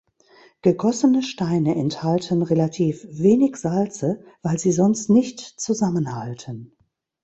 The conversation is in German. Gegossene Steine enthalten relativ wenig Salze, weil sie sonst nicht zusammenhalten.